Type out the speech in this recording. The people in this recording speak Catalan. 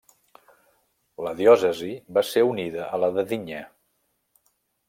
La diòcesi va ser unida a la de Digne.